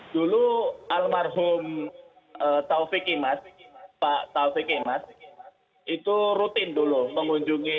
dulu almarhum taufik imas pak taufik imas itu rutin dulu mengunjungi